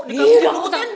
di kanan luar kan